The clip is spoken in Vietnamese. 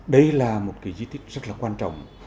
đây là một cái di tích rất là quan trọng